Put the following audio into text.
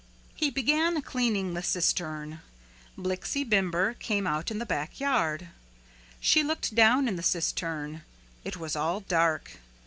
He began cleaning the cistern. Blixie Bimber came out in the back yard. She looked down in the cistern. It was all dark.